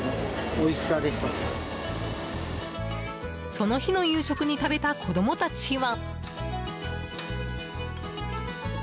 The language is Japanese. その日の夕食に食べた子供たちは。